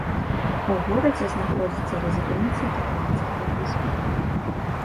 У горадзе знаходзіцца рэзідэнцыя каталіцкага біскупа.